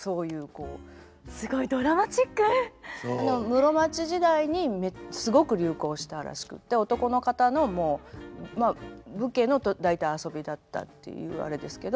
室町時代にすごく流行したらしくって男の方のまあ武家の大体遊びだったっていうあれですけど。